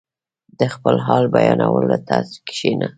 • د خپل حال بیانولو ته کښېنه.